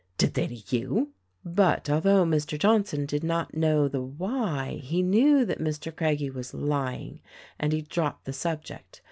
Did they to you ?" But although Mr. Johnson did not know the zvhy he knew that Mr. Craggie was lying; and he dropped the subject.